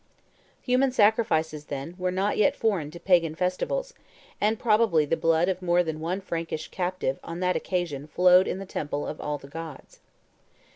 Human sacrifices, then, were not yet foreign to Pagan festivals, and probably the blood of more than one Frankish captive on that occasion flowed in the temple of all the gods.